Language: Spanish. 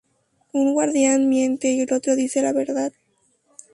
Un guardián miente y el otro dice la verdad.